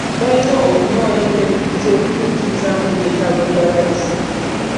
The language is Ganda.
Balina okunoonya engeri z'okutuukiriza ebyetaago by'abayizi.